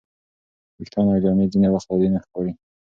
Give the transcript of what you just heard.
ویښتان او جامې ځینې وخت عادي نه ښکاري.